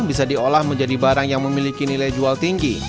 bisa diolah menjadi barang yang memiliki nilai jual tinggi